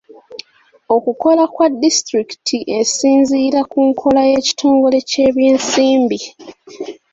Okukola kwa disitulukiti esinziira ku nkola y'ekitongole ky'ebyensimbi.